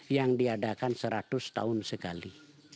yang diadakan seratus tahun sekali